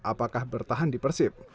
apakah bertahan di persib